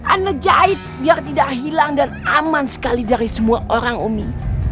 anda jahit biar tidak hilang dan aman sekali dari semua orang umi